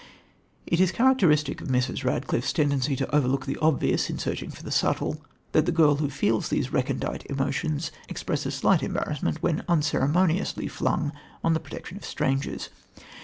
It is characteristic of Mrs. Radcliffe's tendency to overlook the obvious in searching for the subtle, that the girl who feels these recondite emotions expresses slight embarrassment when unceremoniously flung on the protection of strangers.